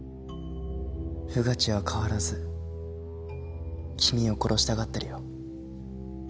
穿地は変わらず君を殺したがってるよ。